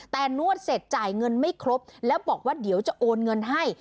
แต่นวดเสร็จจ่ายเงินไม่ครบแล้วบอกว่าเดี๋ยวจะโอนเงินให้